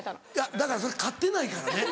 だからそれ飼ってないからね。